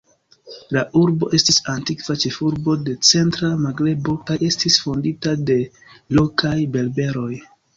La urbo estis antikva ĉefurbo de centra Magrebo, kaj estis fondita de lokaj Berberoj.